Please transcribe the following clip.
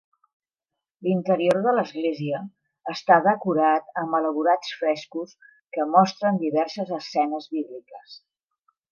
L'interior de l'església està decorat amb elaborats frescos que mostren diverses escenes bíbliques.